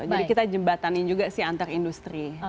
jadi kita jembatanin juga sih antar industri